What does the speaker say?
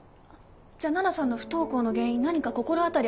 じゃ奈々さんの不登校の原因何か心当たりありますか？